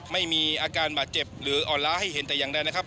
ไม่มีอาการบาดเจ็บหรืออ่อนล้าให้เห็นแต่อย่างใดนะครับ